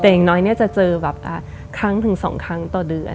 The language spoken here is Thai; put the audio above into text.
แต่อย่างน้อยจะเจอแบบครั้งถึง๒ครั้งต่อเดือน